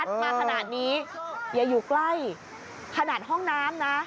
มาขนาดนี้อย่าอยู่ใกล้ขนาดห้องน้ำนะ